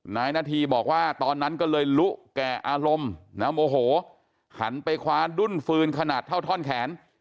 นายนาธีบอกว่าตอนนั้นก็เลยลุแก่อารมณ์นะโมโหหันไปคว้าดุ้นฟืนขนาดเท่าท่อนแขน